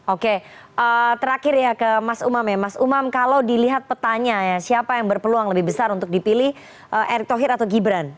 oke terakhir ya ke mas umam ya mas umam kalau dilihat petanya ya siapa yang berpeluang lebih besar untuk dipilih erick thohir atau gibran